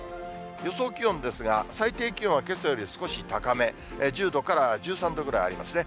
予想気温ですが、最低気温はけさより少し高め、１０度から１３度くらいありますね。